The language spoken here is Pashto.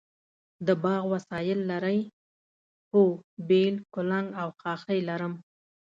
د باغ وسایل لرئ؟ هو، بیل، کلنګ او خاښۍ لرم